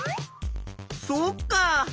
そっか！